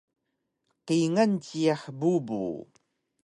Kingal jiyax bubu